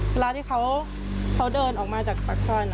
เมื่อที่เขาเดินออกมาจากปักศัลเนี่ย